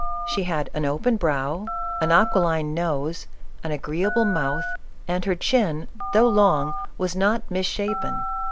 She had an open brow, an aquiline nose, an agreeable mouth, and her chin, though long, was not mis shapen.